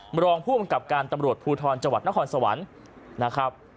มรองผู้กำกับการตำรวจภูทรจังหวัดนครสวรรค์นะครับ